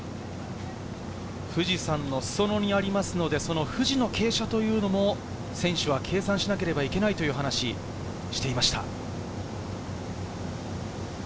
富士山の裾野にありますので、富士の傾斜というのも選手は計算しなければいけないという話をしていました。